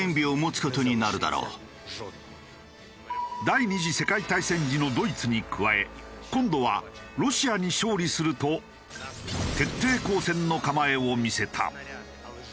第２次世界大戦時のドイツに加え今度はロシアに勝利すると徹底抗戦の構えを見せた。